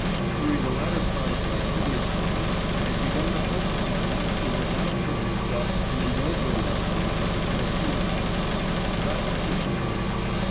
During the latter part of my tedious journey I had begun to hope that my master would now show himself in a nobler light than I had before seen him. But I was disappointed.